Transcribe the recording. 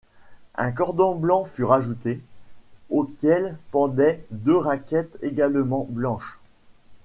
Un cordon blanc fut rajouté, auquel pendaient deux raquettes également blanches.